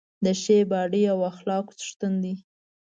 د ښې باډۍ او اخلاقو څښتن دی.